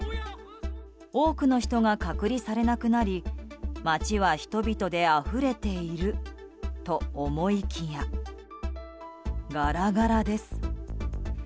多くの人が隔離されなくなり街は人々であふれていると思いきやガラガラです。